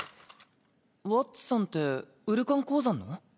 ワッツさんってウルカン鉱山の？